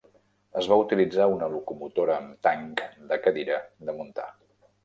Es va utilitzar una locomotora amb tanc de cadira de muntar.